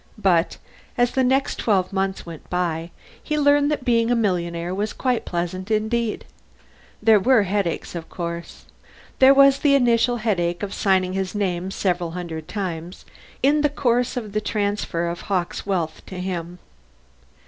But, as the next twelve months went by, he learned that being a millionaire was quite pleasant indeed. There were headaches, of course. There was the initial headache of signing his name several hundred times in the course of the transfer of Hawkes' wealth to him.